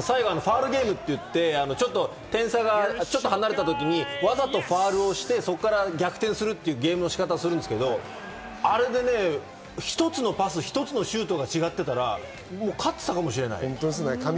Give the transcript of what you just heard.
最後、ファウルゲームといって、点差が少し開いたときにわざとファウルして、そこから逆転するというゲームをするんですけど、あれで一つのパス、一つのシュートが違っていたら勝っていたかもしれない。